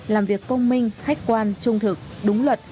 làm việc công minh khách quan trung thực đúng luật